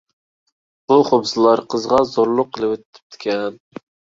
بۇ خۇمسىلار قىزغا زورلۇق قىلىۋېتىپتىكەن.